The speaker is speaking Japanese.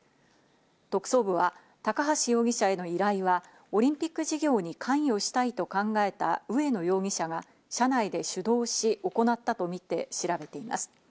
特捜部は高橋容疑者への依頼はオリンピック事業に関与したいと考えた植野容疑者が社内で主導し行ったとみて調べています。